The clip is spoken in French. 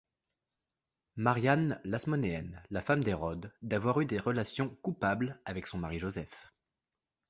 Mariamne l'Hasmonéenne, la femme d'Hérode, d'avoir eu des relations coupables avec son mari Joseph.